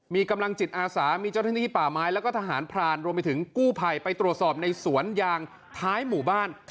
มีกำลังจิตอาสามีเจ้าหน้าที่ป่าไม้แล้วก็ทหารพรานรวมไปถึงกู้ภัยไปตรวจสอบในสวนยางท้ายหมู่บ้าน